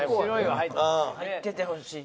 入っててほしい。